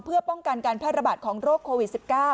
เพื่อป้องกันการแพร่ระบาดของโรคโควิด๑๙